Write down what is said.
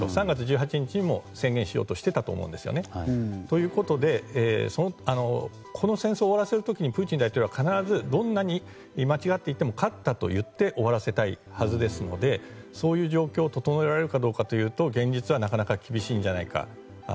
３月１８日も宣言しようとしていたと思うんです。ということでこの戦争を終わらせる時にプーチン大統領はどんなに間違っていても勝ったと言って終わらせたいはずですのでそういう状況を整えられるかというと現実はなかなか厳しいんじゃないか。